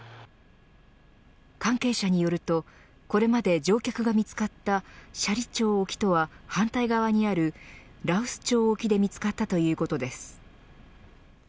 関係者によるとこれまで乗客が見つかった斜里町沖とは反対側にある羅臼町沖で見つかったということです。